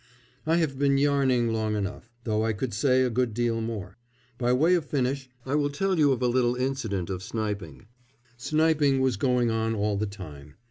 I have been yarning long enough, though I could say a good deal more. By way of finish I will tell you of a little incident of sniping. Sniping was going on all the time.